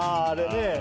ああれね。